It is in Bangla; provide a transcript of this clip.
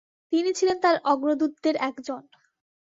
তিনি ছিলেন তার অগ্রদূতদের একজন।